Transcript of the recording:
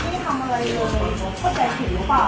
ที่เรานั่งได้ก็ฉริปเลยครับ